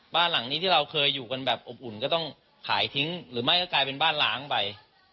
บ้านหลังนี้ที่เราเคยอยู่กันแบบอบอุ่นก็ต้องขายทิ้งหรือไม่ก็กลายเป็นบ้านล้างไป